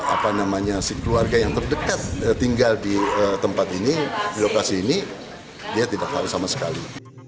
apa namanya si keluarga yang terdekat tinggal di tempat ini di lokasi ini dia tidak tahu sama sekali